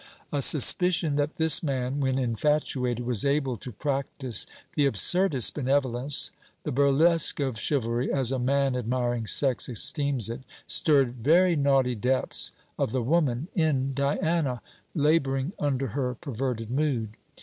A suspicion that this man, when infatuated, was able to practise the absurdest benevolence, the burlesque of chivalry, as a man admiring sex esteems it, stirred very naughty depths of the woman in Diana, labouring under her perverted mood.